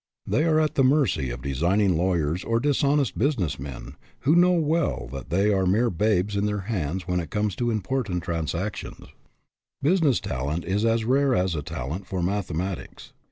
They are at the mercy of designing lawyers or dishonest busi ness men, who well know that they are mere babies in their hands when it comes to important transactions. 180 HAD MONEY BUT LOST IT Business talent is as rare as a talent for mathematics.